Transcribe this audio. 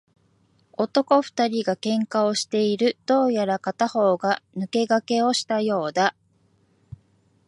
男二人が喧嘩をしている。どうやら片方が抜け駆けをしたようだ。